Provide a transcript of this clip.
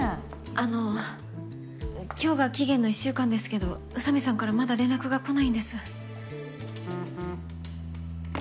あの今日が期限の１週間ですけど宇佐美さんからまだ連絡が来ないんです。